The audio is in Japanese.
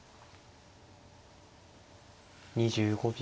２５秒。